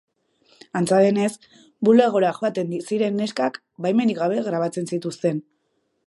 Antza denez, bulegora joaten ziren neskak baimenik gabe grabatzen zituzten.